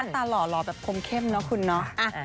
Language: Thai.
ตาหล่อแบบคมเข้มเนอะคุณเนาะ